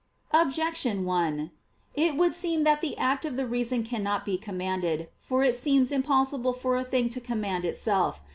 Objection 1: It would seem that the act of the reason cannot be commanded. For it seems impossible for a thing to command itself.